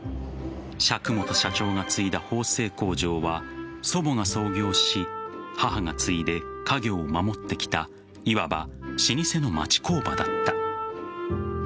笏本社長が継いだ縫製工場は祖母が創業し母が継いで家業を守ってきたいわば老舗の町工場だった。